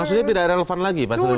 maksudnya tidak relevan lagi pasal ini